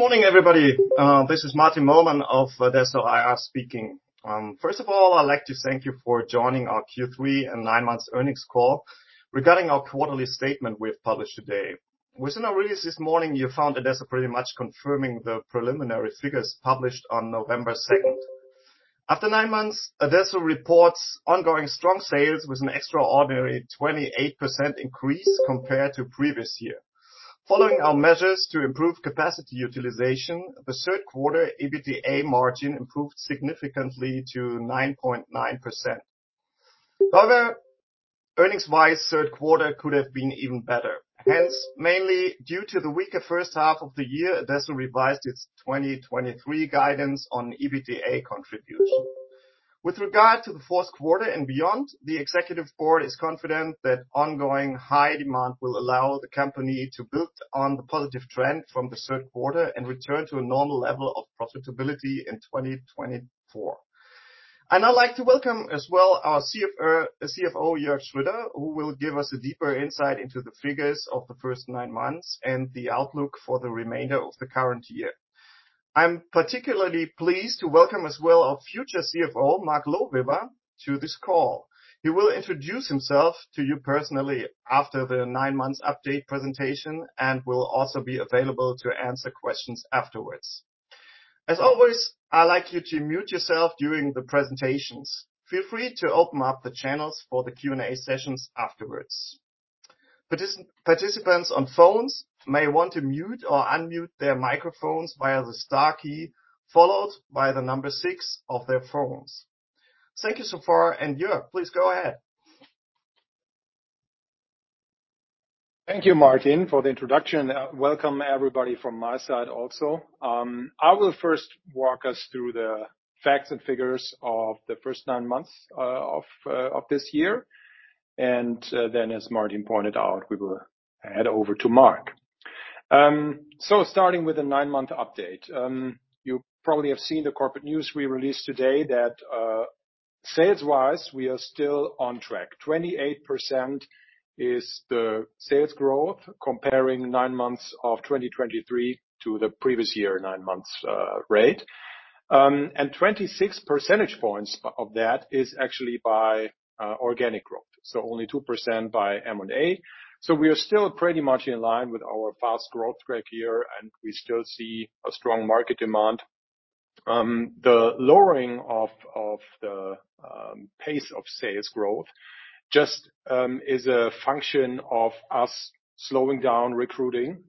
Good morning, everybody, this is Martin Möllmann of adesso IR speaking. First of all, I'd like to thank you for joining our third quarter and nine months earnings call regarding our quarterly statement we have published today. Within our release this morning, you found adesso pretty much confirming the preliminary figures published on November second. After nine months, adesso reports ongoing strong sales with an extraordinary 28% increase compared to previous year. Following our measures to improve capacity utilization, the third quarter EBITDA margin improved significantly to 9.9%. However, earnings-wise, third quarter could have been even better. Hence, mainly due to the weaker first half of the year, adesso revised its 2023 guidance on EBITDA contribution. With regard to the fourth quarter and beyond, the executive board is confident that ongoing high demand will allow the company to build on the positive trend from the third quarter and return to a normal level of profitability in 2024. I'd now like to welcome as well our CFO, Jörg Schroeder, who will give us a deeper insight into the figures of the first nine months and the outlook for the remainder of the current year. I'm particularly pleased to welcome as well our future CFO, Mark Lohweber, to this call. He will introduce himself to you personally after the nine-month update presentation, and will also be available to answer questions afterwards. As always, I'd like you to mute yourself during the presentations. Feel free to open up the channels for the Q&A sessions afterwards. Participants on phones may want to mute or unmute their microphones via the star key, followed by the number six of their phones. Thank you so far, and Jörg, please go ahead. Thank you, Martin, for the introduction. Welcome, everybody, from my side also. I will first walk us through the facts and figures of the first nine months of this year, and then, as Martin pointed out, we will head over to Mark. So, starting with the nine-month update. You probably have seen the corporate news we released today, that sales-wise, we are still on track. 28% is the sales growth, comparing nine months of 2023 to the previous year, nine months rate. And 26 percentage points of that is actually by organic growth, so only 2% by M&A. So, we are still pretty much in line with our fast growth track here, and we still see a strong market demand. The lowering of the pace of sales growth just is a function of us slowing down recruiting,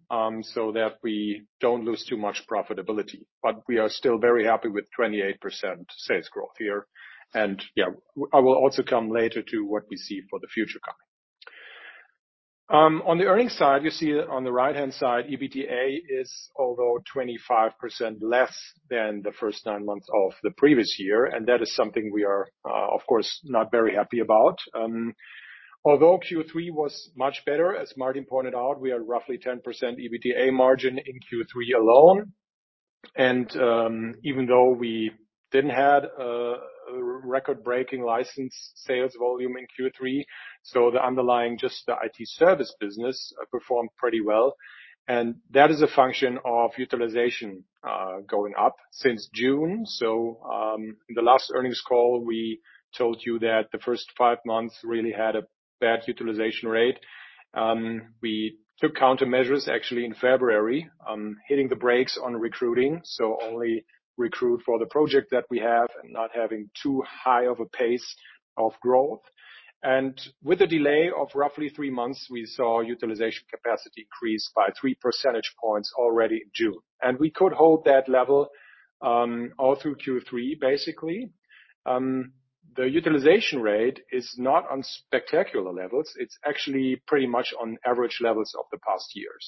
so that we don't lose too much profitability. But we are still very happy with 28% sales growth here. And, yeah, I will also come later to what we see for the future coming. On the earnings side, you see on the right-hand side, EBITDA is, although 25% less than the first nine months of the previous year, and that is something we are, of course, not very happy about. Although third quarter was much better, as Martin pointed out, we are roughly 10% EBITDA margin in third quarter alone. And, even though we didn't have a record-breaking license sales volume in third quarter, so the underlying, just the IT service business performed pretty well. That is a function of utilization, going up since June. In the last earnings call, we told you that the first five months really had a bad utilization rate. We took countermeasures, actually, in February, hitting the brakes on recruiting, so only recruit for the project that we have and not having too high of a pace of growth. With a delay of roughly three months, we saw utilization capacity increase by three percentage points already in June. We could hold that level, all through third quarter, basically. The utilization rate is not on spectacular levels. It's actually pretty much on average levels of the past years.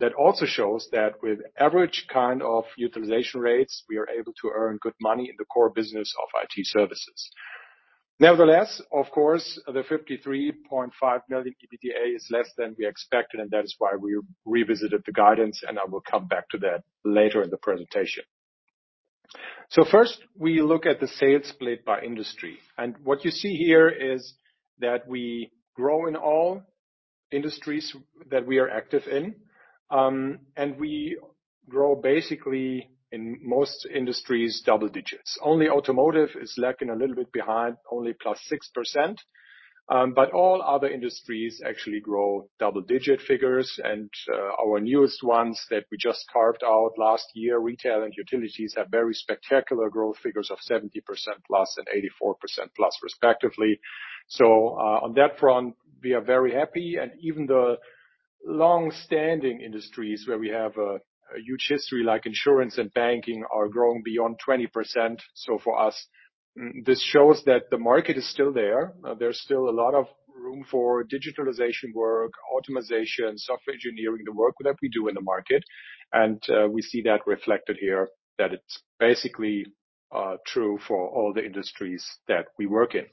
That also shows that with average kind of utilization rates, we are able to earn good money in the core business of IT services. Nevertheless, of course, the 53.5 million EBITDA is less than we expected, and that is why we revisited the guidance, and I will come back to that later in the presentation. So first, we look at the sales split by industry, and what you see here is that we grow in all industries that we are active in, and we grow basically, in most industries, double digits. Only automotive is lacking a little bit behind, only plus 6%, but all other industries actually grow double-digit figures. And our newest ones that we just carved out last year, retail and utilities, have very spectacular growth figures of 70%+ and 84%+, respectively. So, on that front, we are very happy, and even the longstanding industries, where we have a huge history, like insurance and banking, are growing beyond 20%. So for us, this shows that the market is still there. There's still a lot of room for digitalization work, optimization, software engineering, the work that we do in the market, and, we see that reflected here, that it's basically, true for all the industries that we work in.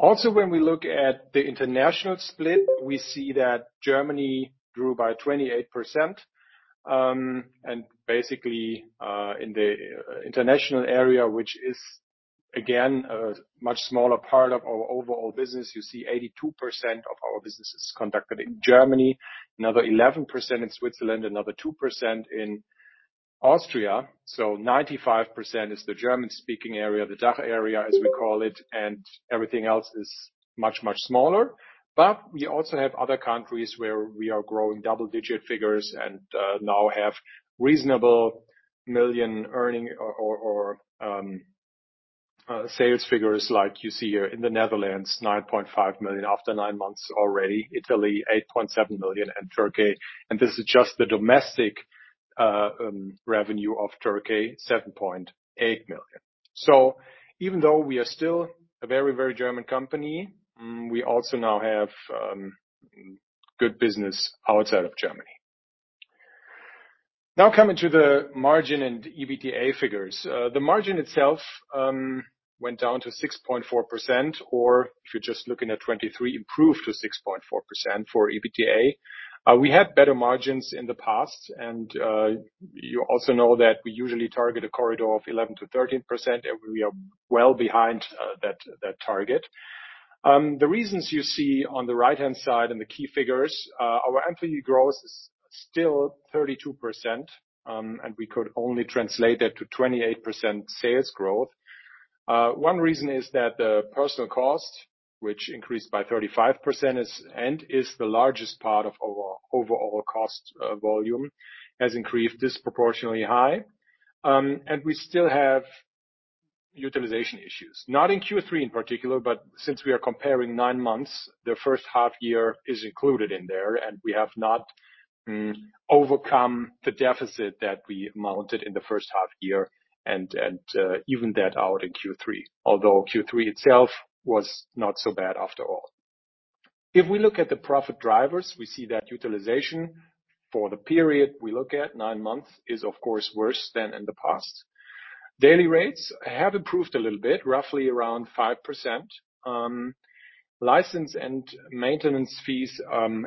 Also, when we look at the international split, we see that Germany grew by 28%, and basically, in the international area, again, a much smaller part of our overall business. You see, 82% of our business is conducted in Germany, another 11% in Switzerland, another 2% in Austria. So, 95% is the German-speaking area, the DACH area, as we call it, and everything else is much, much smaller. But we also have other countries where we are growing double-digit figures and now have reasonable million earning or sales figures like you see here in the Netherlands, 9.5 million after nine months already, Italy, 8.7 million, and Turkey. And this is just the domestic revenue of Turkey, 7.8 million. So even though we are still a very, very German company, we also now have good business outside of Germany. Now, coming to the margin and EBITDA figures. The margin itself went down to 6.4%, or if you're just looking at 2023, improved to 6.4% for EBITDA. We had better margins in the past, and you also know that we usually target a corridor of 11% to 13%, and we are well behind that, that target. The reasons you see on the right-hand side in the key figures, our employee growth is still 32%, and we could only translate that to 28% sales growth. One reason is that the personnel cost, which increased by 35%, is-- and is the largest part of our overall cost volume, has increased disproportionately high. We still have utilization issues, not in third quarter in particular, but since we are comparing nine months, the first half year is included in there, and we have not overcome the deficit that we mounted in the first half year and even that out in third quarter, although third quarter itself was not so bad after all. If we look at the profit drivers, we see that utilization for the period we look at, nine months, is, of course, worse than in the past. Daily rates have improved a little bit, roughly around 5%. License and maintenance fees,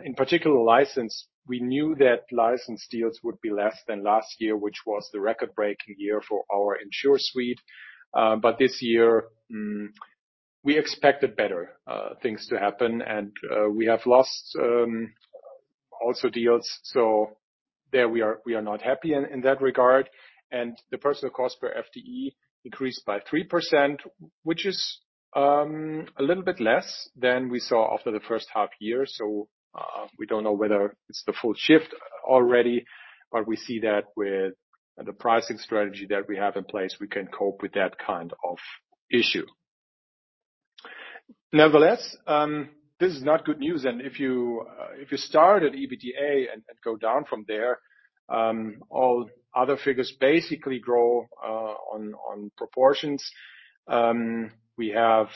in particular, license, we knew that license deals would be less than last year, which was the record-breaking year for our in|sure suite. But this year, we expected better things to happen, and we have lost also deals. So there we are, we are not happy in that regard. The personal cost per FTE increased by 3%, which is a little bit less than we saw after the first half year. So, we don't know whether it's the full shift already, but we see that with the pricing strategy that we have in place, we can cope with that kind of issue. Nevertheless, this is not good news, and if you start at EBITDA and go down from there, all other figures basically grow on proportions. We have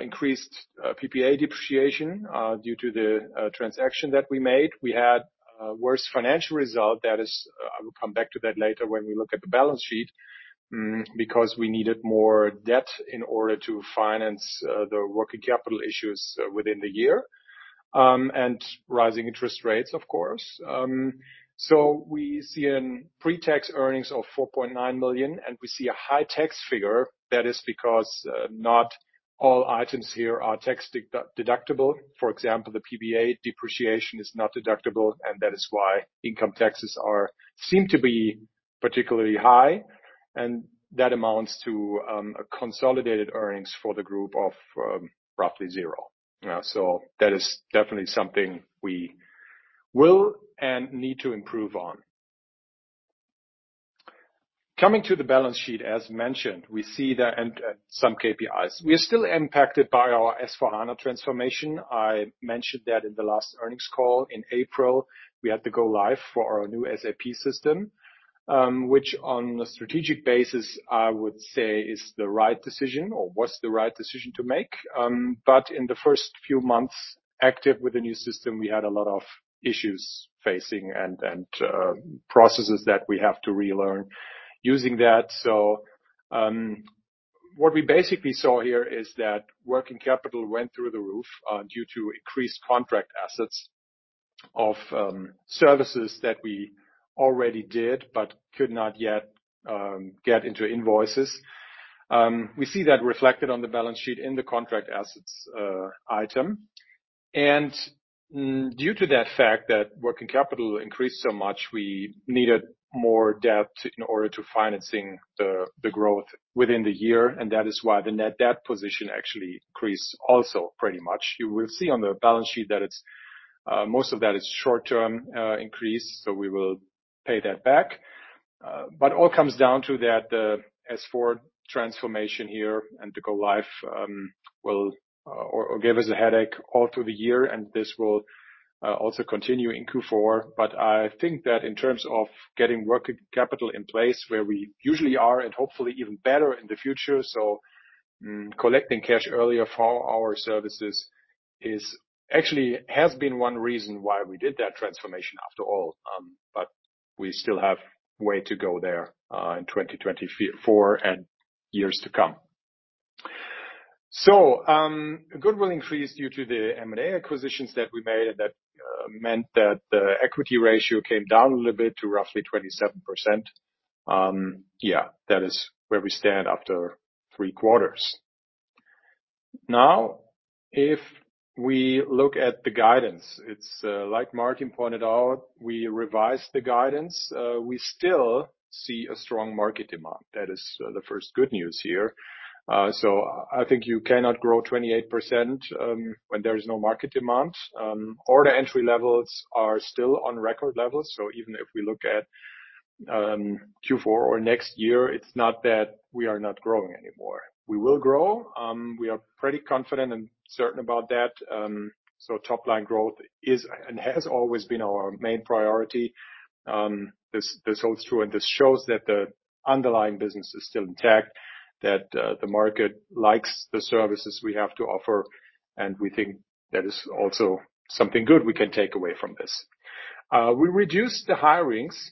increased PPA depreciation due to the transaction that we made. We had a worse financial result. That is... I will come back to that later when we look at the balance sheet, because we needed more debt in order to finance, the working capital issues within the year, and rising interest rates, of course. So we see in pre-tax earnings of 4.9 million, and we see a high tax figure. That is because, not all items here are tax deductible. For example, the PPA depreciation is not deductible, and that is why income taxes seem to be particularly high, and that amounts to, a consolidated earnings for the group of, roughly 0. So that is definitely something we will and need to improve on. Coming to the balance sheet, as mentioned, we see that and some KPIs. We are still impacted by our S/4HANA transformation. I mentioned that in the last earnings call. In April, we had to go live for our new SAP system, which on a strategic basis, I would say is the right decision or was the right decision to make. But in the first few months, active with the new system, we had a lot of issues facing, and processes that we have to relearn using that. So, what we basically saw here is that working capital went through the roof, due to increased contract assets of services that we already did but could not yet get into invoices. We see that reflected on the balance sheet in the contract assets item. Due to that fact that working capital increased so much, we needed more debt in order to financing the the growth within the year, and that is why the net debt position actually increased also, pretty much. You will see on the balance sheet that it's most of that is short-term increase, so we will pay that back. But all comes down to that S/4HANA transformation here, and the go-live will or gave us a headache all through the year, and this will also continue in fourth quarter. But I think that in terms of getting working capital in place where we usually are and hopefully even better in the future, so collecting cash earlier for our services is actually has been one reason why we did that transformation after all. But we still have way to go there in 2024 and years to come. So, goodwill increased due to the M&A acquisitions that we made. That meant that the equity ratio came down a little bit to roughly 27%. Yeah, that is where we stand after three quarters. Now, if we look at the guidance, it's like Martin pointed out, we revised the guidance. We still see a strong market demand. That is the first good news here. So, I think you cannot grow 28% when there is no market demand. Order entry levels are still on record levels, so even if we look at fourth quarter or next year, it's not that we are not growing anymore. We will grow. We are pretty confident and certain about that. So top line growth is and has always been our main priority. This, this holds true, and this shows that the underlying business is still intact, that the market likes the services we have to offer, and we think that is also something good we can take away from this. We reduced the hirings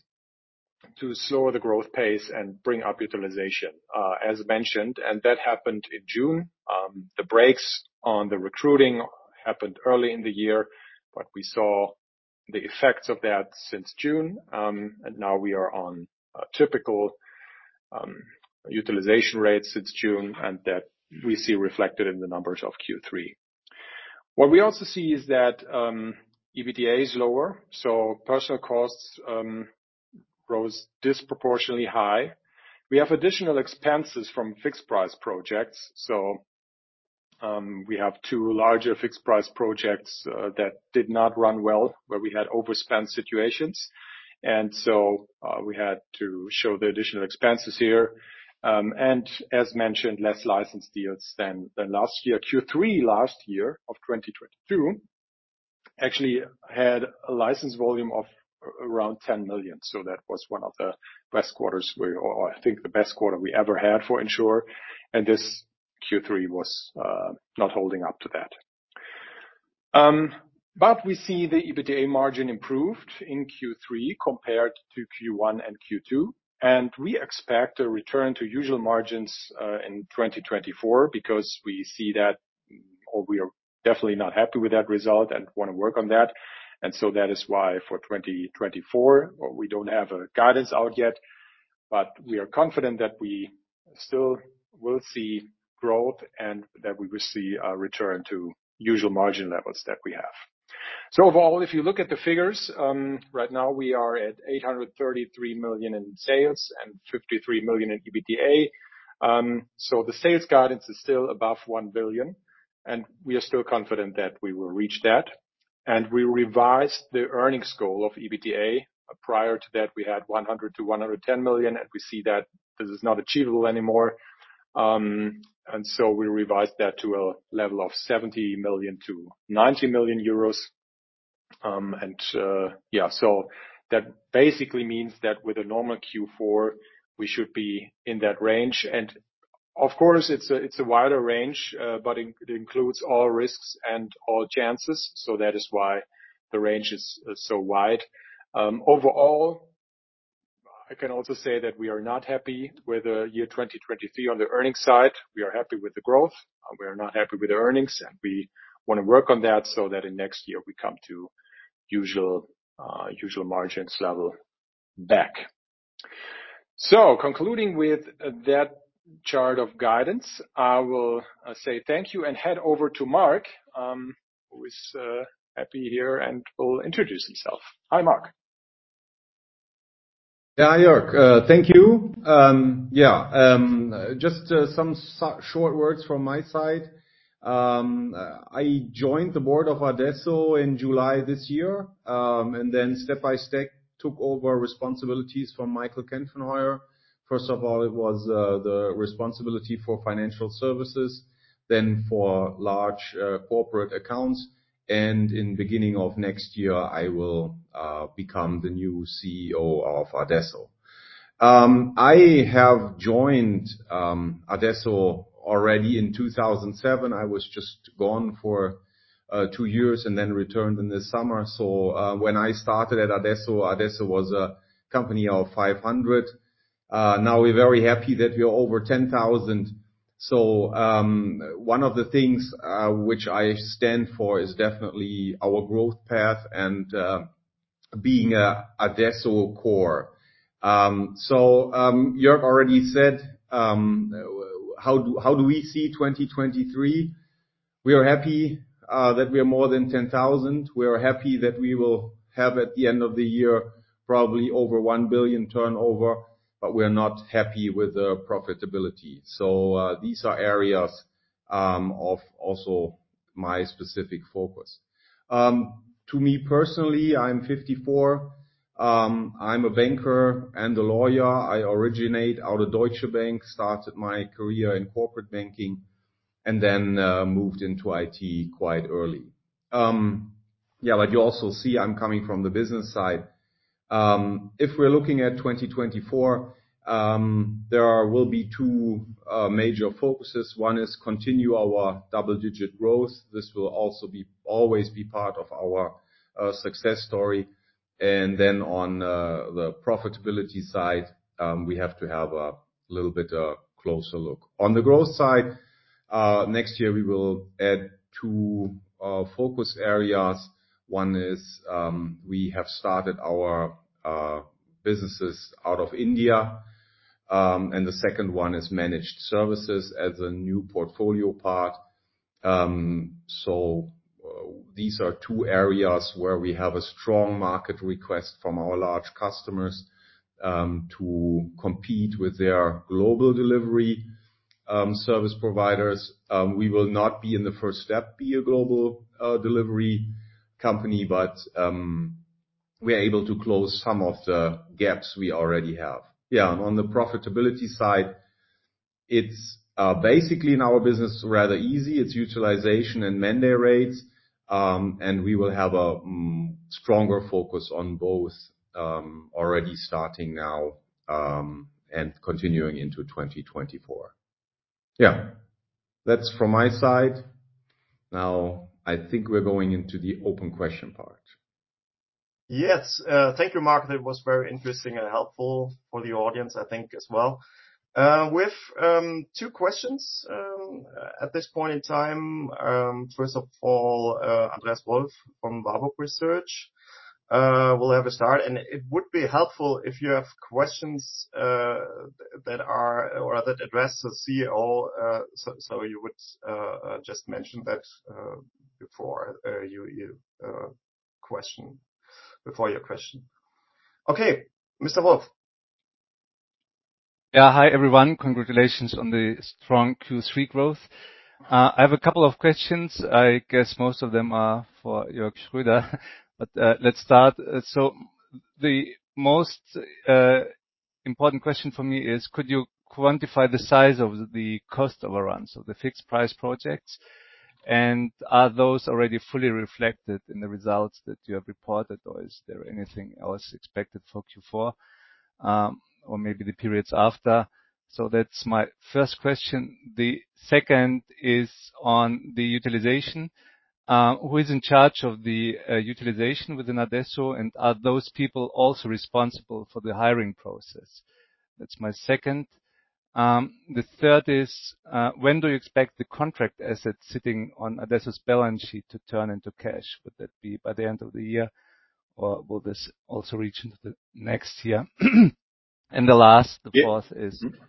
to slow the growth pace and bring up utilization, as mentioned, and that happened in June. The breaks on the recruiting happened early in the year, but we saw the effects of that since June. Now we are on a typical utilization rate since June, and that we see reflected in the numbers of third quarter. What we also see is that EBITDA is lower, so personnel costs rose disproportionately high. We have additional expenses from fixed price projects. We have two larger fixed price projects that did not run well, where we had overspend situations, and we had to show the additional expenses here. And as mentioned, less license deals than last year. third quarter last year, of 2022, actually had a license volume of around 10 million, so that was one of the best quarters we or I think the best quarter we ever had for in|sure, and this third quarter was not holding up to that. But we see the EBITDA margin improved in third quarter compared to first quarter and second quarter, and we expect a return to usual margins in 2024, because we see that or we are definitely not happy with that result and want to work on that. And so that is why for 2024, we don't have a guidance out yet, but we are confident that we still will see growth and that we will see a return to usual margin levels that we have. So overall, if you look at the figures, right now, we are at 833 million in sales and 53 million in EBITDA. So, the sales guidance is still above 1 billion, and we are still confident that we will reach that. And we revised the earnings goal of EBITDA. Prior to that, we had 100-110 million, and we see that this is not achievable anymore. And so, we revised that to a level of 70-90 million euros. Yeah, so that basically means that with a normal fourth quarter, we should be in that range. And of course, it's a wider range, but it includes all risks and all chances, so that is why the range is so wide. Overall, I can also say that we are not happy with the year 2023 on the earnings side. We are happy with the growth. We are not happy with the earnings, and we want to work on that so that in next year we come to usual margins level back. So, concluding with that chart of guidance, I will say thank you and hand over to Mark, who is happy here and will introduce himself. Hi, Mark. Yeah, Jörg, thank you. Yeah, just some short words from my side. I joined the board of adesso in July this year, and then step by step, took over responsibilities from Michael Kenfenheuer. First of all, it was the responsibility for financial services, then for large corporate accounts, and in beginning of next year, I will become the new CEO of adesso. I have joined adesso already in 2007. I was just gone for two years and then returned in the summer. So, when I started at adesso, adesso was a company of 500. Now we're very happy that we are over 10,000. So, one of the things which I stand for is definitely our growth path and being a adesso core. So, Jörg already said, how do we see 2023? We are happy that we are more than 10,000. We are happy that we will have, at the end of the year, probably over 1 billion turnover, but we are not happy with the profitability. So, these are areas of also my specific focus. To me personally, I'm 54. I'm a banker and a lawyer. I originate out of Deutsche Bank, started my career in corporate banking and then, moved into IT quite early. Yeah, but you also see I'm coming from the business side. If we're looking at 2024, there will be two major focuses. One is continue our double-digit growth. This will also always be part of our success story. Then on the profitability side, we have to have a little bit of closer look. Next year, we will add two focus areas. One is we have started our businesses out of India. And the second one is managed services as a new portfolio part. So these are two areas where we have a strong market request from our large customers to compete with their global delivery service providers. We will not be in the first step be a global delivery company, but we are able to close some of the gaps we already have. Yeah, on the profitability side, it's basically in our business rather easy. It's utilization and mandate rates. We will have a stronger focus on both, already starting now, and continuing into 2024. Yeah, that's from my side. Now, I think we're going into the open question part. Yes. Thank you, Mark. That was very interesting and helpful for the audience, I think, as well. We've two questions at this point in time. First of all, Andreas Wolf from Warburg Research will have a start. And it would be helpful if you have questions that are or that address the CEO, so you would just mention that before your question, before your question. Okay, Mr. Wolf. Yeah. Hi, everyone. Congratulations on the strong third quarter growth. I have a couple of questions. I guess most of them are for Jörg Schroeder, but, let's start. So the most important question for me is, could you quantify the size of the cost overruns of the fixed price projects? And are those already fully reflected in the results that you have reported, or is there anything else expected for fourth quarter, or maybe the periods after? So that's my first question. The second is on the utilization. Who is in charge of the utilization within Adesso, and are those people also responsible for the hiring process? That's my second. The third is, when do you expect the contract assets sitting on Adesso's balance sheet to turn into cash? Would that be by the end of the year, or will this also reach into the next year? And the last, the fourth is... Mm-hmm.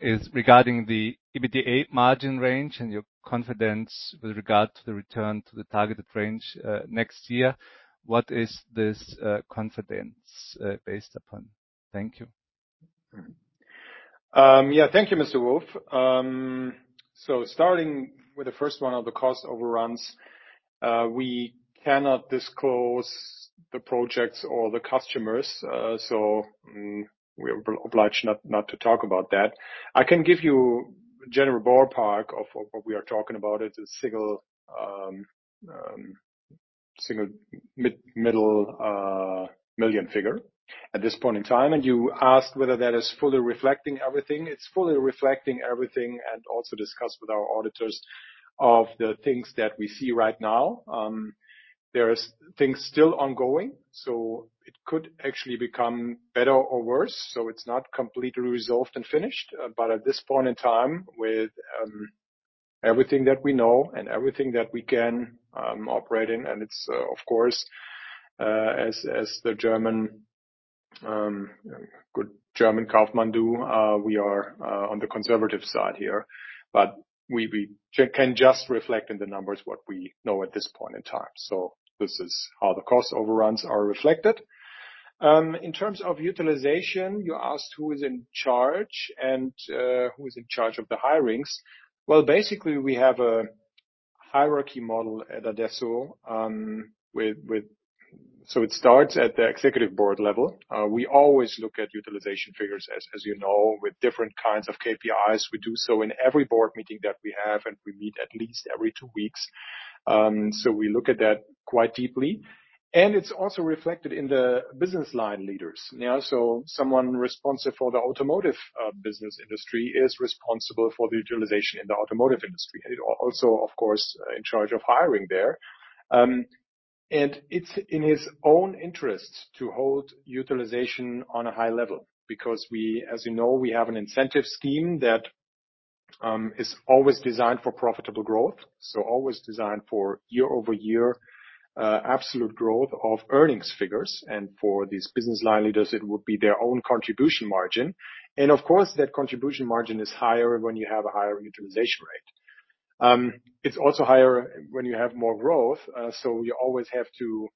Is regarding the EBITDA margin range and your confidence with regard to the return to the targeted range, next year. What is this confidence based upon? Thank you. Yeah. Thank you, Mr. Wolf. So starting with the first one on the cost overruns, we cannot disclose the projects or the customers. So, we are obliged not to talk about that. I can give you a general ballpark of what we are talking about. It's a single mid-middle million figure at this point in time. And you asked whether that is fully reflecting everything. It's fully reflecting everything, and also discussed with our auditors of the things that we see right now. There is things still ongoing, so it could actually become better or worse, so it's not completely resolved and finished. But at this point in time, with everything that we know and everything that we can operate in, and it's, of course, as the good German Kaufmann do, we are on the conservative side here. But we can just reflect in the numbers what we know at this point in time. So this is how the cost overruns are reflected. In terms of utilization, you asked who is in charge and who is in charge of the hirings. Well, basically, we have a hierarchy model at adesso, with... So it starts at the Executive Board level. We always look at utilization figures, as you know, with different kinds of KPIs. We do so in every board meeting that we have, and we meet at least every two weeks. So we look at that quite deeply, and it's also reflected in the business line leaders. Now, so someone responsible for the automotive business industry is responsible for the utilization in the automotive industry, and also, of course, in charge of hiring there. And it's in his own interest to hold utilization on a high level because we, as you know, we have an incentive scheme that is always designed for profitable growth, so always designed for year-over-year absolute growth of earnings figures. And for these business line leaders, it would be their own contribution margin. And of course, that contribution margin is higher when you have a higher utilization rate. It's also higher when you have more growth, so you always have to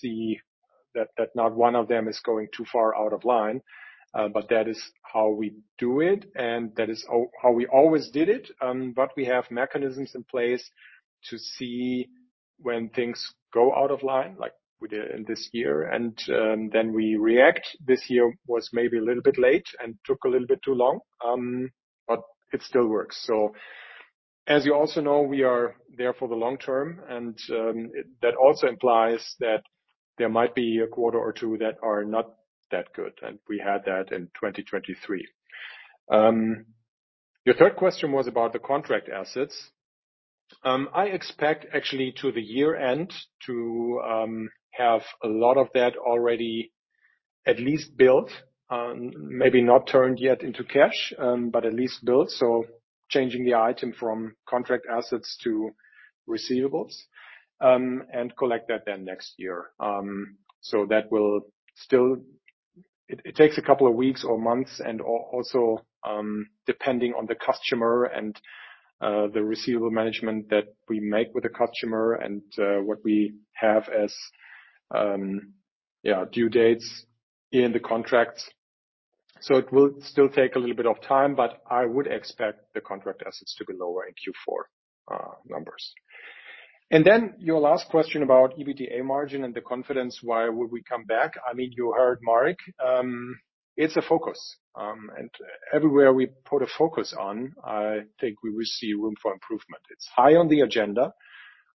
see that, that not one of them is going too far out of line. But that is how we do it, and that is how we always did it. But we have mechanisms in place to see when things go out of line, like we did in this year, and, then we react. This year was maybe a little bit late and took a little bit too long, but it still works. So as you also know, we are there for the long term, and, that also implies that there might be a quarter or two that are not that good, and we had that in 2023. Your third question was about the contract assets.... I expect actually to the year-end to, have a lot of that already at least built, maybe not turned yet into cash, but at least built. So changing the item from contract assets to receivables, and collect that then next year. So that will still take a couple of weeks or months, and also, depending on the customer and, the receivable management that we make with the customer and, what we have as, yeah, due dates in the contracts. So it will still take a little bit of time, but I would expect the contract assets to be lower in fourth quarter numbers. And then your last question about EBITDA margin and the confidence, why would we come back? I mean, you heard Mark. It's a focus. And everywhere we put a focus on, I think we will see room for improvement. It's high on the agenda.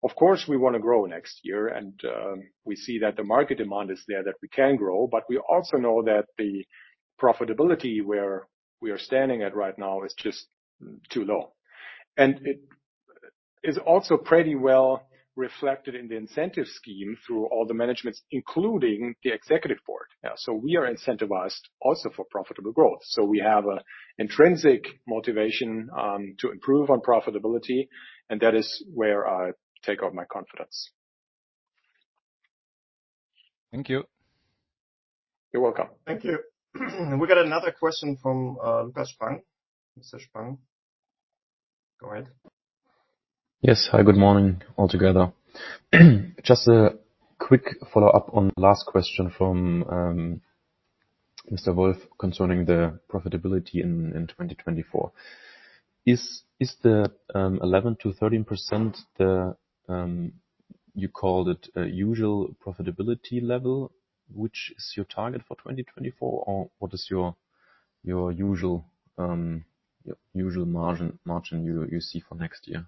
Of course, we wanna grow next year, and we see that the market demand is there, that we can grow, but we also know that the profitability where we are standing at right now is just too low. It is also pretty well reflected in the incentive scheme through all the managements, including the executive board. Yeah, we are incentivized also for profitable growth. We have a intrinsic motivation to improve on profitability, and that is where I take out my confidence. Thank you. You're welcome. Thank you. We got another question from Mr. Spang. Mr. Spang, go ahead. Yes. Hi, good morning, all together. Just a quick follow-up on last question from Mr. Wolf, concerning the profitability in 2024. Is the 11% to 13%, the you called it a usual profitability level, which is your target for 2024, or what is your usual margin you see for next year?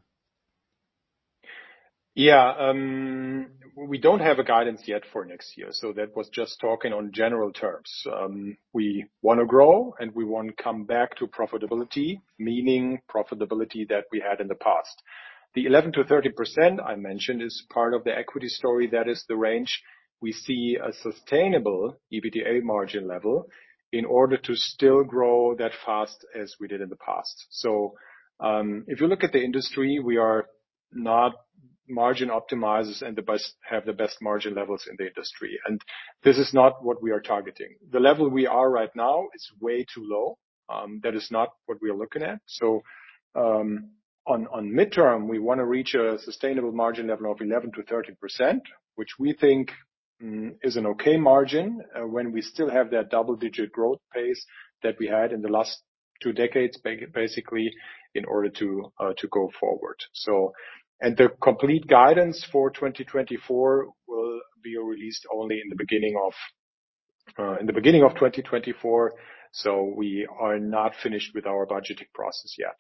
Yeah, we don't have a guidance yet for next year, so that was just talking on general terms. We wanna grow, and we wanna come back to profitability, meaning profitability that we had in the past. The 11% to 13% I mentioned is part of the equity story. That is the range we see a sustainable EBITDA margin level in order to still grow that fast as we did in the past. So, if you look at the industry, we are not margin optimizers and have the best margin levels in the industry, and this is not what we are targeting. The level we are right now is way too low. That is not what we are looking at. So, on midterm, we wanna reach a sustainable margin level of 11% to 13%, which we think is an okay margin, when we still have that double-digit growth pace that we had in the last two decades, basically, in order to go forward. So, the complete guidance for 2024 will be released only in the beginning of 2024, so we are not finished with our budgeting process yet.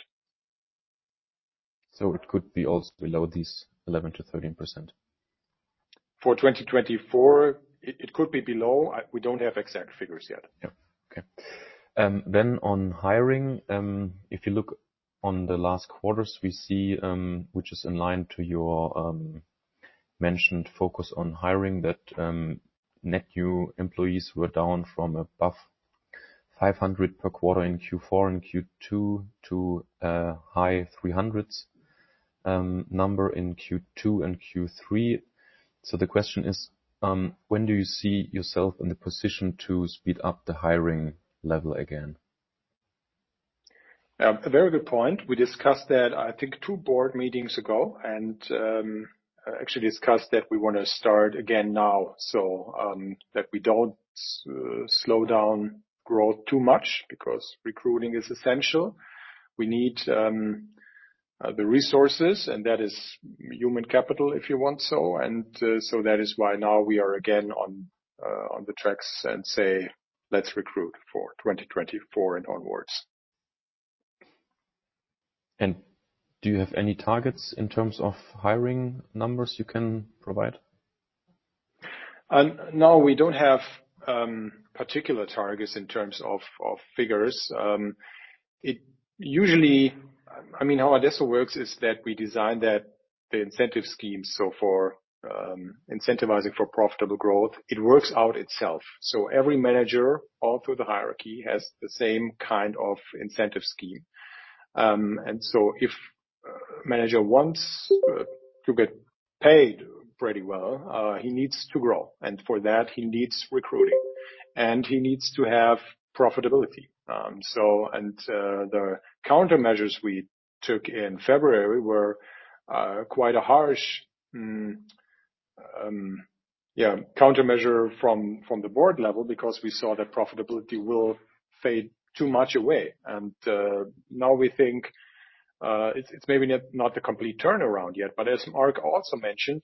It could be also below these 11% to 13%? For 2024, it could be below. We don't have exact figures yet. Yeah. Okay. Then on hiring, if you look on the last quarters, we see, which is in line to your mentioned focus on hiring, that net new employees were down from above 500 per quarter in fourth quarter and second quarter to high 300s number in second quarter and third quarter. So the question is, when do you see yourself in the position to speed up the hiring level again? A very good point. We discussed that, I think, two board meetings ago, and actually discussed that we wanna start again now, so that we don't slow down growth too much because recruiting is essential. We need the resources, and that is human capital, if you want so, and so that is why now we are again on the tracks and say, "Let's recruit for 2024 and onwards. Do you have any targets in terms of hiring numbers you can provide? No, we don't have particular targets in terms of figures. It usually... I mean, how adesso works is that we design that the incentive scheme, so for incentivizing for profitable growth, it works out itself. So every manager, all through the hierarchy, has the same kind of incentive scheme. And so if a manager wants to get paid pretty well, he needs to grow, and for that, he needs recruiting, and he needs to have profitability. So, the countermeasures we took in February were quite a harsh countermeasure from the board level because we saw that profitability will fade too much away. And now we think it's maybe not the complete turnaround yet, but as Mark also mentioned,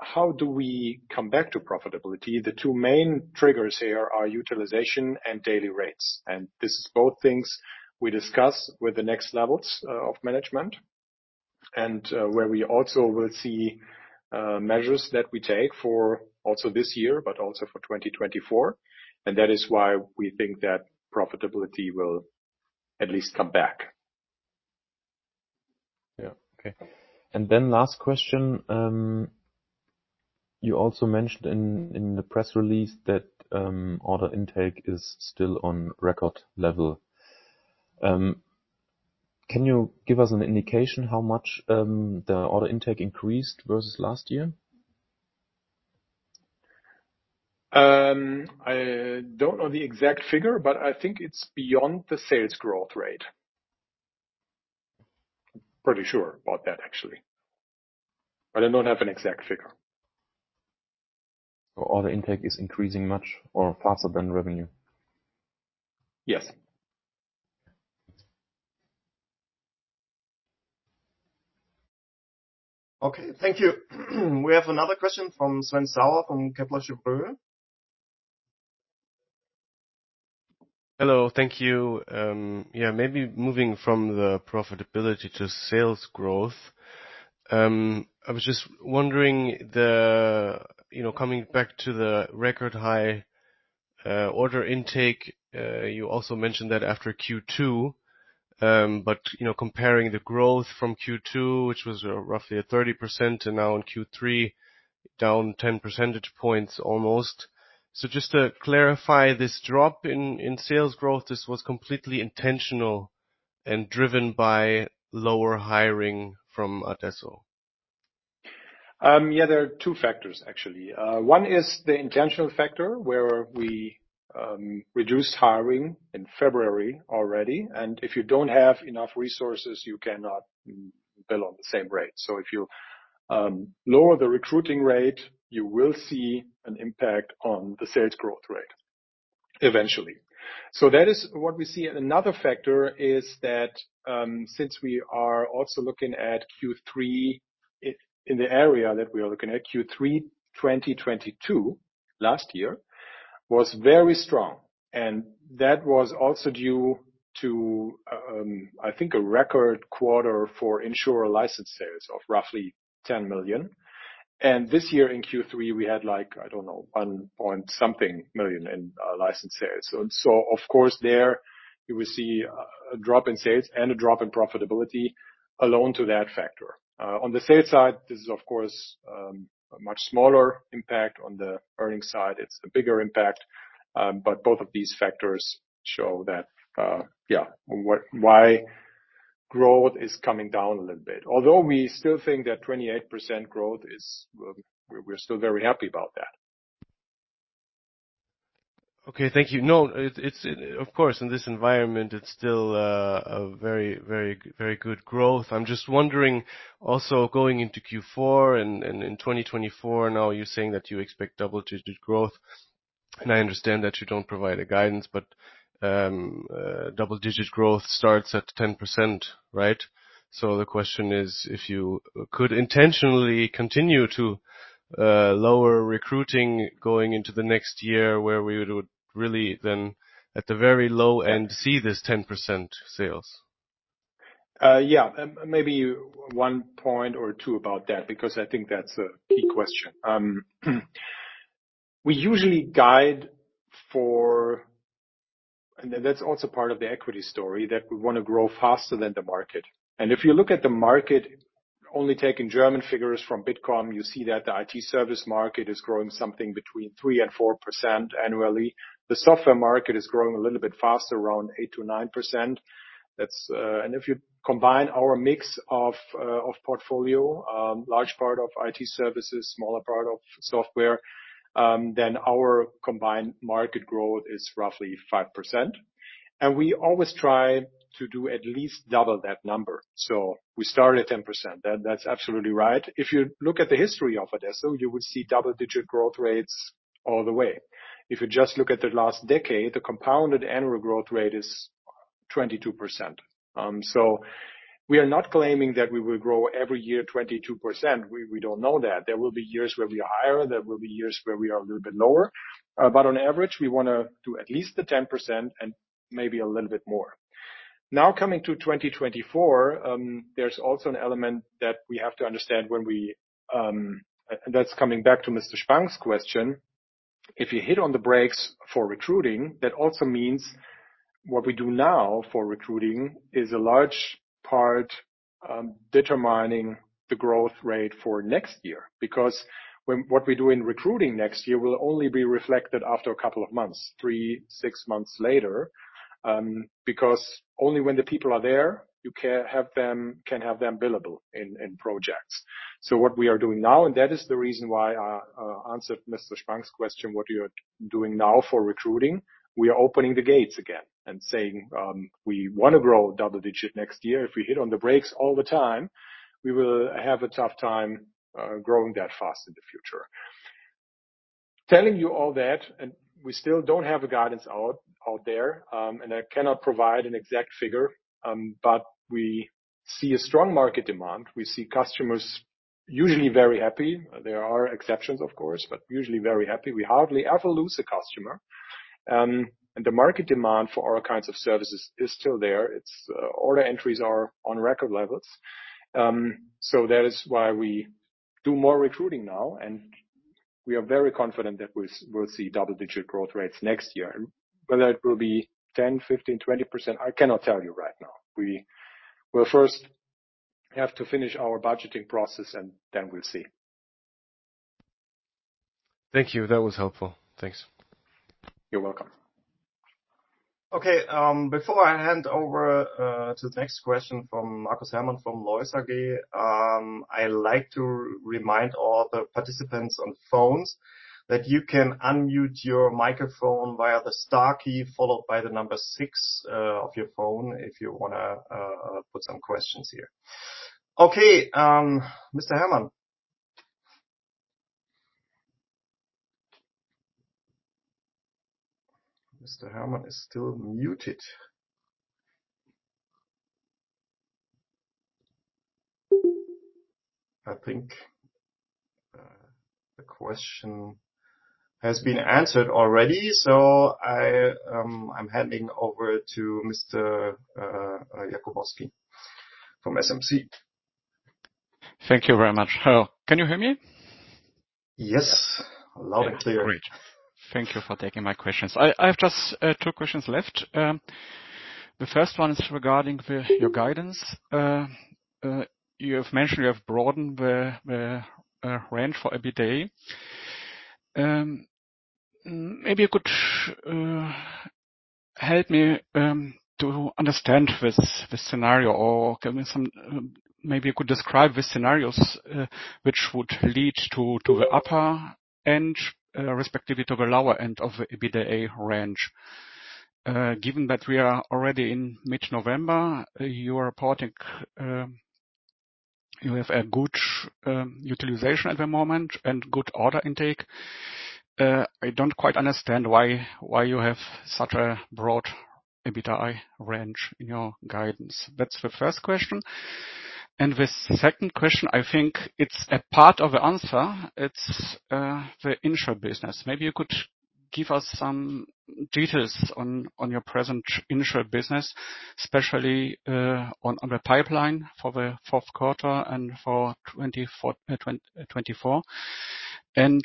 how do we come back to profitability? The two main triggers here are utilization and daily rates, and this is both things we discuss with the next levels of management, and where we also will see measures that we take for also this year, but also for 2024, and that is why we think that profitability will at least come back. Yeah. Okay. And then last question, you also mentioned in the press release that order intake is still on record level. Can you give us an indication how much the order intake increased versus last year? I don't know the exact figure, but I think it's beyond the sales growth rate. Pretty sure about that, actually, but I don't have an exact figure. Order intake is increasing much or faster than revenue? Yes. Okay. Thank you. We have another question from Sven Sauer, from Kepler Cheuvreux. Hello. Thank you. Yeah, maybe moving from the profitability to sales growth. I was just wondering, the, you know, coming back to the record high, order intake, you also mentioned that after second quarter, but, you know, comparing the growth from second quarter, which was roughly at 30%, and now in third quarter, down ten percentage points almost. Just to clarify, this drop in, in sales growth, this was completely intentional and driven by lower hiring from adesso? Yeah, there are two factors, actually. One is the intentional factor, where we reduced hiring in February already, and if you don't have enough resources, you cannot bill on the same rate. So if you lower the recruiting rate, you will see an impact on the sales growth rate, eventually. So that is what we see. And another factor is that, since we are also looking at third quarter, in the area that we are looking at, third quarter 2022, last year, was very strong, and that was also due to, I think, a record quarter for in|sure license sales of roughly 10 million. And this year in third quarter, we had, like, I don't know, 1 point something million in license sales. So, of course, there you will see a drop in sales and a drop in profitability alone to that factor. On the sales side, this is, of course, a much smaller impact. On the earnings side, it's a bigger impact. But both of these factors show that why growth is coming down a little bit. Although we still think that 28% growth is, well, we're still very happy about that. Okay, thank you. No, it's, of course, in this environment, it's still a very, very, very good growth. I'm just wondering, also going into fourth quarter and in 2024 now, you're saying that you expect double-digit growth. And I understand that you don't provide a guidance, but double-digit growth starts at 10%, right? So the question is, if you could intentionally continue to lower recruiting going into the next year, where we would really then, at the very low end, see this 10% sales. Yeah, maybe one point or two about that, because I think that's a key question. We usually guide for... And that's also part of the equity story, that we want to grow faster than the market. And if you look at the market, only taking German figures from Bitkom, you see that the IT service market is growing something between 3% and 4% annually. The software market is growing a little bit faster, around 8% to 9%. That's... And if you combine our mix of of portfolio, large part of IT services, smaller part of software, then our combined market growth is roughly 5%. And we always try to do at least double that number. So we start at 10%. That, that's absolutely right. If you look at the history of adesso, you will see double-digit growth rates all the way. If you just look at the last decade, the compounded annual growth rate is 22%. So we are not claiming that we will grow every year, 22%. We, we don't know that. There will be years where we are higher, there will be years where we are a little bit lower, but on average, we wanna do at least the 10% and maybe a little bit more. Now, coming to 2024, there's also an element that we have to understand when we, and that's coming back to Mr. Spang's question. If you hit on the brakes for recruiting, that also means what we do now for recruiting is a large part, determining the growth rate for next year. Because what we do in recruiting next year will only be reflected after a couple of months, three, six months later, because only when the people are there, you can have them billable in projects. So what we are doing now, and that is the reason why I answered Mr. Spang's question, what you are doing now for recruiting, we are opening the gates again and saying, we wanna grow double digit next year. If we hit on the brakes all the time, we will have a tough time growing that fast in the future. Telling you all that, and we still don't have a guidance out there, and I cannot provide an exact figure, but we see a strong market demand. We see customers usually very happy. There are exceptions, of course, but usually very happy. We hardly ever lose a customer. The market demand for all kinds of services is still there. It's order entries are on record levels. So that is why we do more recruiting now. We are very confident that we'll, we'll see double-digit growth rates next year. Whether it will be 10, 15, 20%, I cannot tell you right now. We will first have to finish our budgeting process, and then we'll see. Thank you. That was helpful. Thanks. You're welcome. Okay, before I hand over to the next question from Markus Herrmann from LOYS AG, I like to remind all the participants on phones that you can unmute your microphone via the star key, followed by the number six of your phone, if you wanna put some questions here. Okay, Mr. Herrmann. Mr. Hermann is still muted. I think the question has been answered already, so I'm handing over to Mr. Jakubowski from SMC. Thank you very much. Hello, can you hear me? Yes, loud and clear. Great. Thank you for taking my questions. I have just two questions left. The first one is regarding your guidance. You have mentioned you have broadened the range for EBITDA. Maybe you could help me to understand this scenario, or give me some... Maybe you could describe the scenarios which would lead to the upper end, respectively, to the lower end of the EBITDA range. Given that we are already in mid-November, you are reporting, you have a good utilization at the moment and good order intake. I don't quite understand why you have such a broad EBITDA range in your guidance. That's the first question. And the second question, I think it's a part of the answer. It's the in|sure business. Maybe you could give us some details on your present in|sure business, especially on the pipeline for the fourth quarter and for 2024. And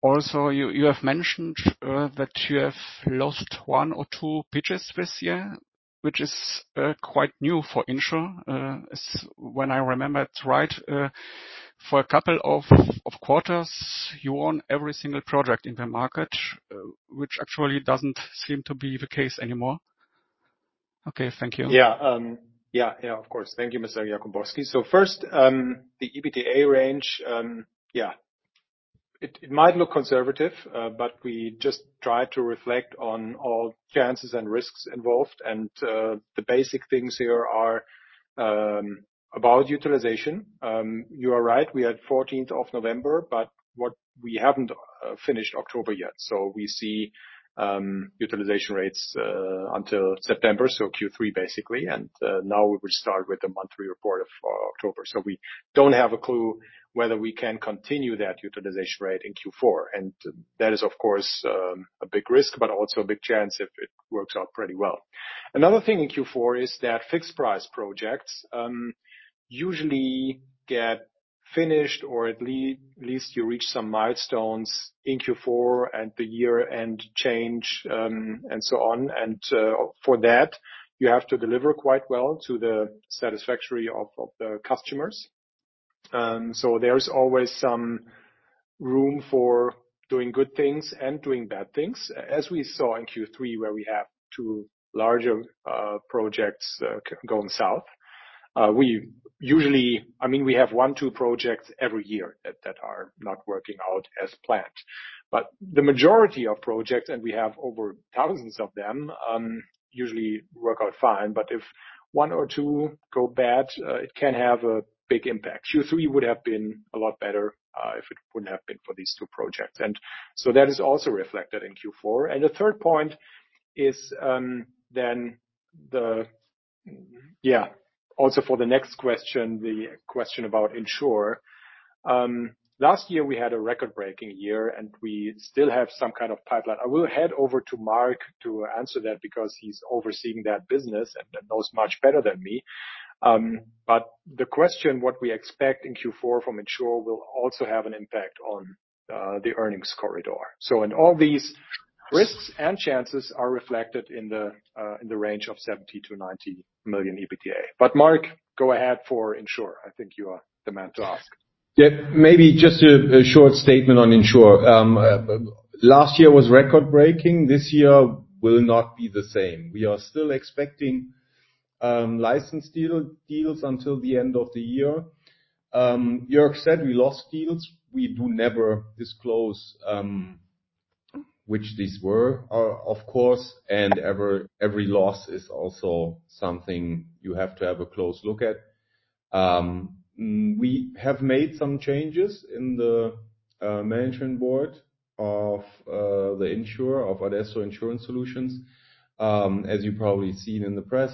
also, you have mentioned that you have lost one or two pitches this year, which is quite new for in|sure. As when I remember it right, for a couple of quarters, you won every single project in the market, which actually doesn't seem to be the case anymore. Okay. Thank you. Yeah. Yeah, yeah, of course. Thank you, Mr. Jakubowski. So first, the EBITDA range. Yeah, it might look conservative, but we just try to reflect on all chances and risks involved. And the basic things here are about utilization. You are right, we are at 14th of November, but we haven't finished October yet. So we see utilization rates until September, so third quarter, basically, and now we will start with the monthly report of October. So we don't have a clue whether we can continue that utilization rate in fourth quarter. And that is, of course, a big risk, but also a big chance if it works out pretty well. Another thing in fourth quarter is that fixed price projects usually get finished, or at least you reach some milestones in fourth quarter and the year-end change, and so on. For that, you have to deliver quite well to the satisfaction of the customers. So there is always some room for doing good things and doing bad things, as we saw in third quarter, where we have two larger projects going south. We usually, I mean, we have one, two projects every year that are not working out as planned. But the majority of projects, and we have over thousands of them, usually work out fine. But if one or two go bad, it can have a big impact. third quarter would have been a lot better, if it wouldn't have been for these two projects. And so that is also reflected in fourth quarter. The third point is, then also for the next question, the question about in|sure. Last year, we had a record-breaking year, and we still have some kind of pipeline. I will hand over to Mark to answer that because he's overseeing that business and knows much better than me. But the question, what we expect in fourth quarter from in|sure, will also have an impact on the earnings corridor. So in all these risks and chances are reflected in the range of 70 million-90 million EBITDA. But Mark, go ahead for in|sure. I think you are the man to ask. Yeah, maybe just a short statement on in|sure. Last year was record-breaking. This year will not be the same. We are still expecting license deals until the end of the year. Jörg said we lost deals. We do never disclose which these were, of course, and every loss is also something you have to have a close look at. We have made some changes in the management board of the in|sure, of adesso insurance solutions. As you've probably seen in the press,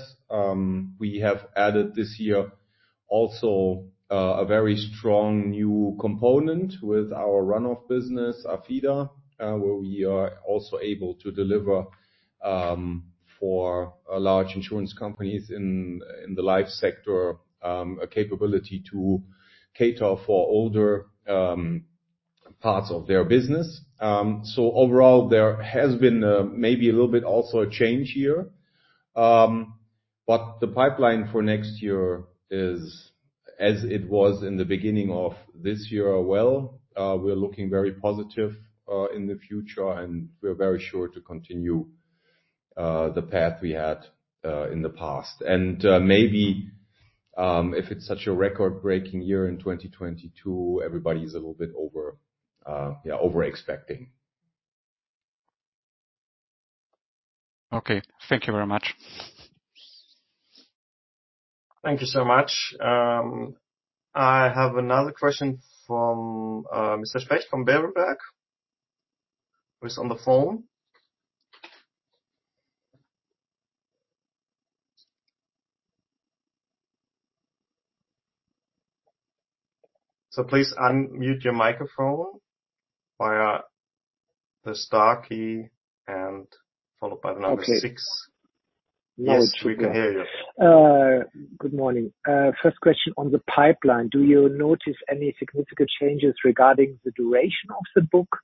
we have added this year also a very strong new component with our runoff business, Afida, where we are also able to deliver for a large insurance companies in the life sector a capability to cater for older parts of their business. So overall, there has been maybe a little bit also a change here. But the pipeline for next year is as it was in the beginning of this year as well. We're looking very positive in the future, and we're very sure to continue the path we had in the past. And maybe if it's such a record-breaking year in 2022, everybody is a little bit over-expecting. Okay, thank you very much. Thank you so much. I have another question from Mr. Specht from Berenberg, who is on the phone. So please unmute your microphone via the star key and followed by the number six. Okay. Yes, we can hear you. Good morning. First question on the pipeline: Do you notice any significant changes regarding the duration of the book? Or,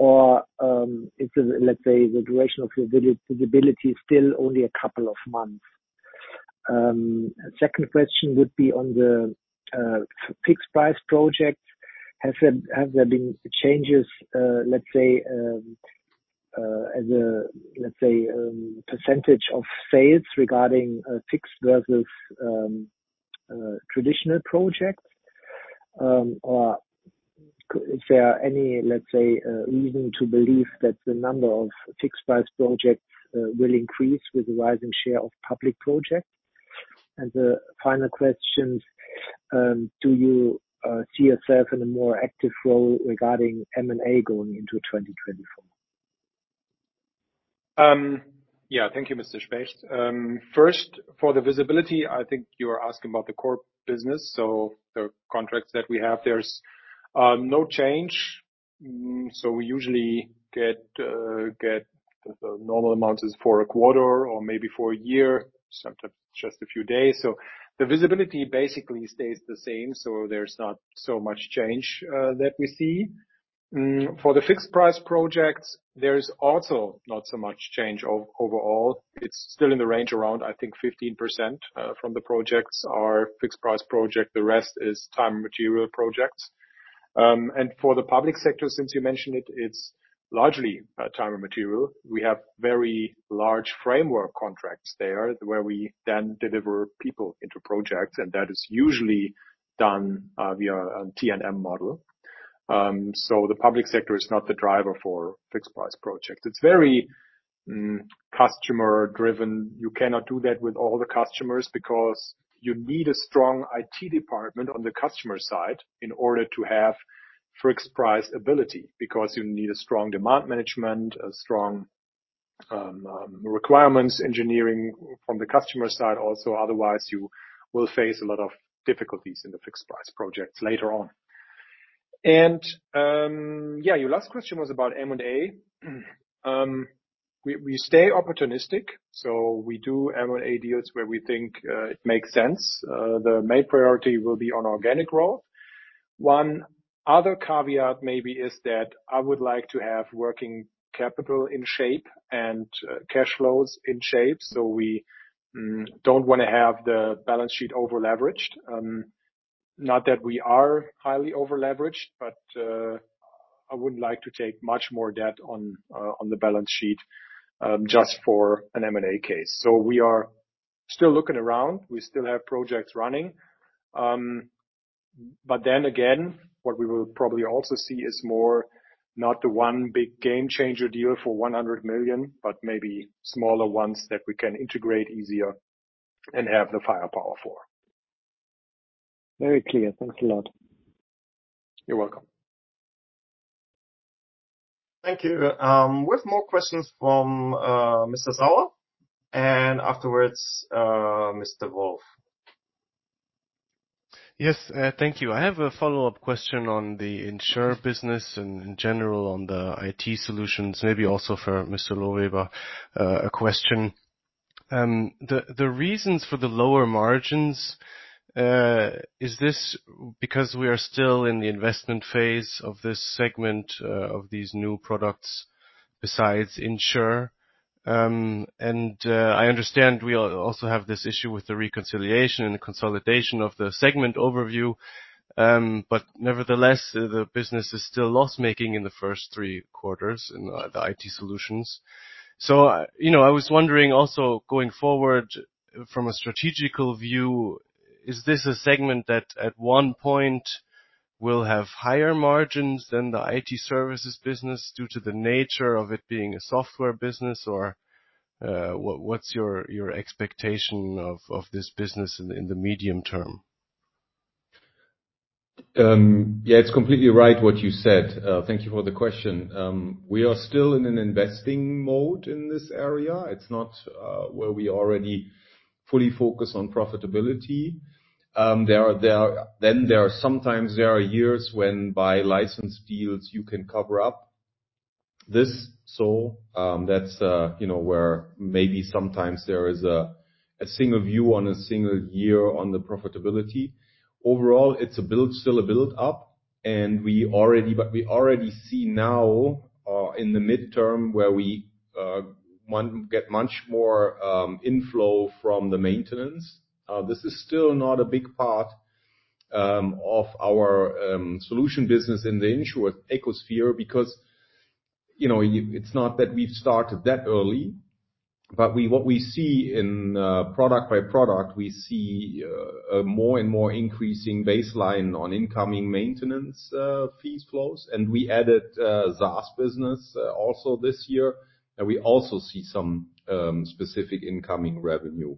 is it, let's say, the duration of your visibility is still only a couple of months? Second question would be on the fixed-price projects. Has there been changes, let's say, as a, let's say, percentage of sales regarding, fixed versus, traditional projects? Or if there are any, let's say, reason to believe that the number of fixed-price projects, will increase with the rising share of public projects. And the final question: Do you see yourself in a more active role regarding M&A going into 2024? Yeah, thank you, Mr. Specht. First, for the visibility, I think you are asking about the core business, so the contracts that we have, there's no change. So we usually get the normal amounts is for a quarter or maybe for a year, sometimes just a few days. So the visibility basically stays the same, so there's not so much change that we see. For the fixed-price projects, there is also not so much change overall. It's still in the range around, I think, 15% from the projects are fixed price project, the rest is time and material projects. And for the public sector, since you mentioned it, it's largely time and material. We have very large framework contracts there, where we then deliver people into projects, and that is usually done via a T&M model. So the public sector is not the driver for fixed-price projects. It's very customer-driven. You cannot do that with all the customers because you need a strong IT department on the customer side in order to have fixed-price ability, because you need a strong demand management, a strong requirements engineering from the customer side also. Otherwise, you will face a lot of difficulties in the fixed-price projects later on. Yeah, your last question was about M&A. We stay opportunistic, so we do M&A deals where we think it makes sense. The main priority will be on organic growth. One other caveat maybe is that I would like to have working capital in shape and cash flows in shape, so we don't wanna have the balance sheet over-leveraged. Not that we are highly over-leveraged, but I wouldn't like to take much more debt on, on the balance sheet, just for an M&A case. So we are still looking around. We still have projects running. But then again, what we will probably also see is more, not the one big game changer deal for 100 million, but maybe smaller ones that we can integrate easier and have the firepower for. Very clear. Thanks a lot. You're welcome. Thank you. We have more questions from Mr. Sauer and afterwards, Mr. Wolf. Yes, thank you. I have a follow-up question on the in|sure business and in general, on the IT solutions, maybe also for Mr. Lohweber, a question. The reasons for the lower margins, is this because we are still in the investment phase of this segment, of these new products besides in|sure? And, I understand we also have this issue with the reconciliation and consolidation of the segment overview, but nevertheless, the business is still loss-making in the first three quarters in the IT solutions. So, you know, I was wondering also, going forward, from a strategic view, is this a segment that at one point will have higher margins than the IT services business due to the nature of it being a software business? Or, what's your expectation of this business in the medium term? Yeah, it's completely right what you said. Thank you for the question. We are still in an investing mode in this area. It's not where we already fully focus on profitability. There are sometimes years when, by license deals, you can cover up- This, so, that's, you know, where maybe sometimes there is a single view on a single year on the profitability. Overall, it's a build-up, still a build-up, and we already, but we already see now, in the medium term, where we get much more inflow from the maintenance. This is still not a big part of our solution business in the in|sure Ecosphere because, you know, it, it's not that we've started that early. But what we see in product by product, we see a more and more increasing baseline on incoming maintenance fees flows, and we added SaaS business also this year, and we also see some specific incoming revenue.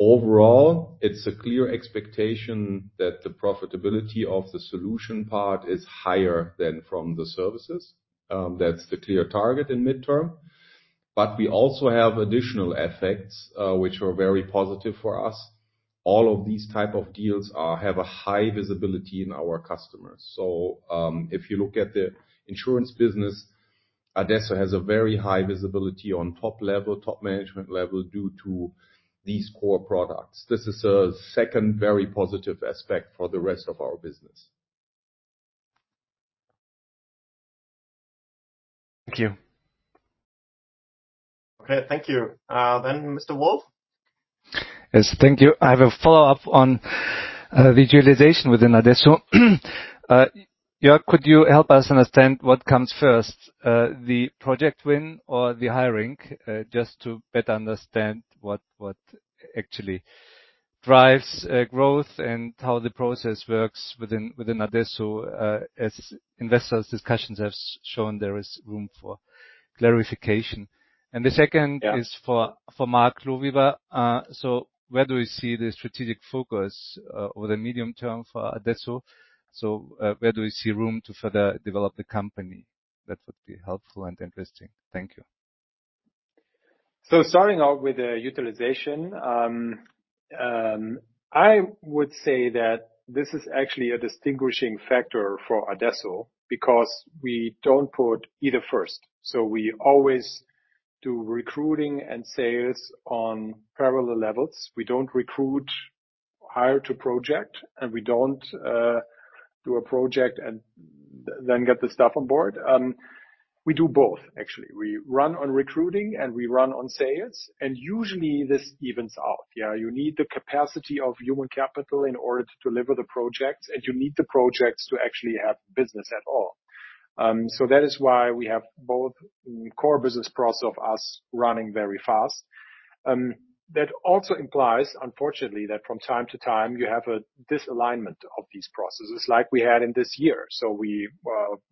Overall, it's a clear expectation that the profitability of the solution part is higher than from the services. That's the clear target in midterm. But we also have additional effects, which are very positive for us. All of these type of deals have a high visibility in our customers. So, if you look at the insurance business, adesso has a very high visibility on top level, top management level, due to these core products. This is a second very positive aspect for the rest of our business. Thank you. Okay, thank you. Then Mr. Wolf? Yes, thank you. I have a follow-up on visualization within adesso. Jörg, could you help us understand what comes first, the project win or the hiring? Just to better understand what actually drives growth and how the process works within adesso. As investors, discussions have shown there is room for clarification. And the second... Yeah. Is for, for Mark Lohweber. So where do we see the strategic focus over the medium term for adesso? So where do we see room to further develop the company? That would be helpful and interesting. Thank you. So starting out with the utilization, I would say that this is actually a distinguishing factor for adesso because we don't put either first. So we always do recruiting and sales on parallel levels. We don't recruit, hire to project, and we don't do a project and then get the staff on board. We do both, actually. We run on recruiting, and we run on sales, and usually this evens out. Yeah, you need the capacity of human capital in order to deliver the projects, and you need the projects to actually have business at all. So that is why we have both core business process of us running very fast. That also implies, unfortunately, that from time to time, you have a disalignment of these processes, like we had in this year. So we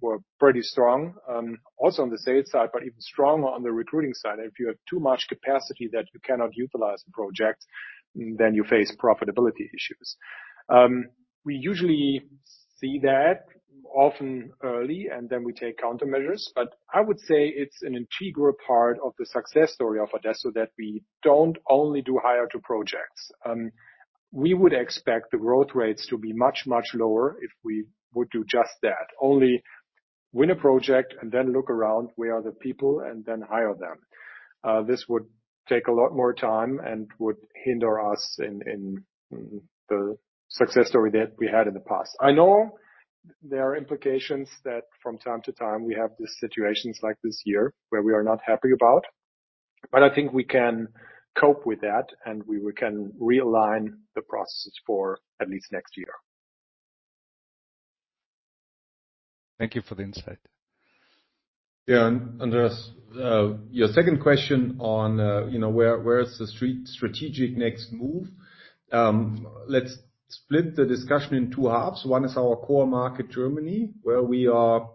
were pretty strong, also on the sales side, but even stronger on the recruiting side. If you have too much capacity that you cannot utilize the project, then you face profitability issues. We usually see that often early, and then we take countermeasures. But I would say it's an integral part of the success story of adesso, that we don't only do hire to projects. We would expect the growth rates to be much, much lower if we would do just that, only win a project and then look around, where are the people, and then hire them. This would take a lot more time and would hinder us in the success story that we had in the past. I know there are implications that from time to time we have these situations like this year, where we are not happy about, but I think we can cope with that, and we can realign the processes for at least next year. Thank you for the insight. Yeah, and, Andreas, your second question on, you know, where is the street--strategic next move? Let's split the discussion in two halves. One is our core market, Germany, where we are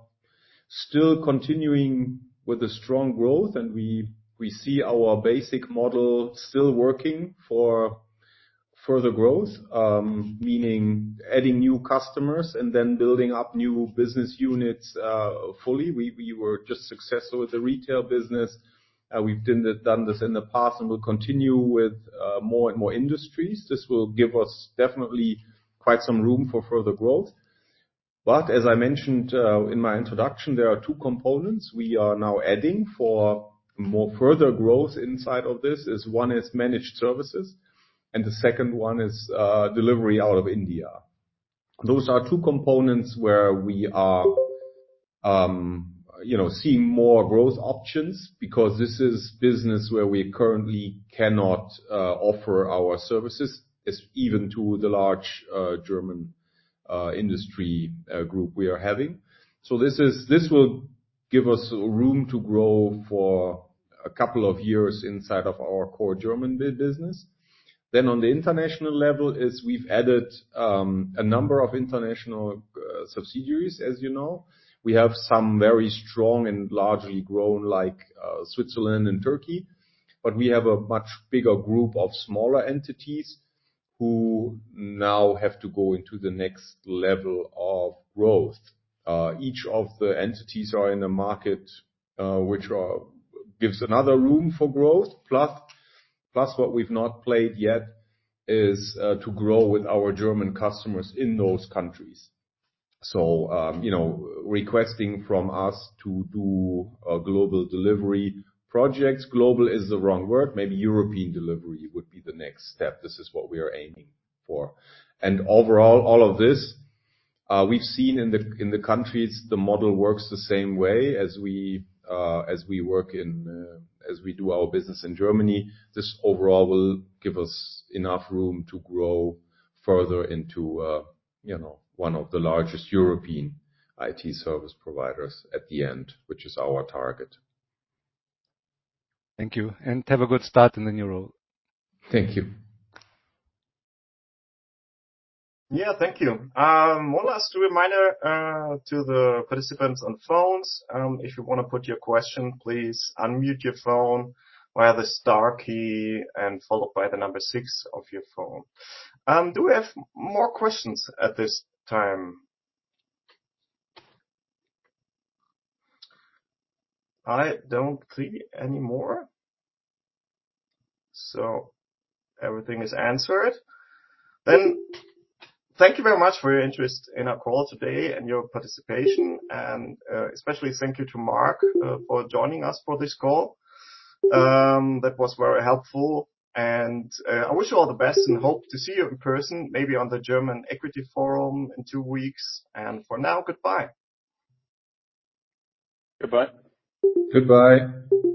still continuing with the strong growth, and we see our basic model still working for further growth. Meaning adding new customers and then building up new business units fully. We were just successful with the retail business, and we've done this in the past and will continue with more and more industries. This will give us definitely quite some room for further growth. But as I mentioned in my introduction, there are two components we are now adding for more further growth inside of this. One is managed services, and the second one is delivery out of India. Those are two components where we are, you know, seeing more growth options because this is business where we currently cannot offer our services, as even to the large German industry group we are having. So this is. This will give us room to grow for a couple of years inside of our core German business. Then on the international level, we've added a number of international subsidiaries, as you know. We have some very strong and largely grown, like, Switzerland and Turkey, but we have a much bigger group of smaller entities who now have to go into the next level of growth. Each of the entities are in a market which gives another room for growth, plus, plus what we've not played yet is to grow with our German customers in those countries. So, you know, requesting from us to do a global delivery projects. Global is the wrong word. Maybe European delivery would be the next step. This is what we are aiming for. And overall, all of this, we've seen in the, in the countries, the model works the same way as we, as we work in, as we do our business in Germany. This overall will give us enough room to grow further into, you know, one of the largest European IT service providers at the end, which is our target. Thank you, and have a good start in the new role. Thank you. Yeah, thank you. One last reminder to the participants on phones. If you want to put your question, please unmute your phone via the star key and followed by the number six of your phone. Do we have more questions at this time? I don't see any more. So, everything is answered. Thank you very much for your interest in our call today and your participation. Especially thank you to Mark for joining us for this call. That was very helpful. I wish you all the best and hope to see you in person, maybe on the German Equity Forum in two weeks. For now, goodbye. Goodbye. Goodbye.